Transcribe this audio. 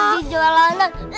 kita tinggal di jalanan